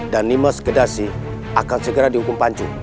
dan nimas kadarsi akan segera dihukum panjung